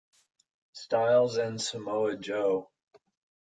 Styles and Samoa Joe.